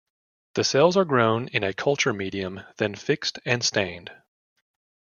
The cells are grown in a culture medium, then fixed and stained.